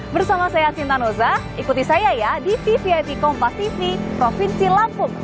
bersama saya sinta nusa ikuti saya ya di vvip kompas tv provinsi lampung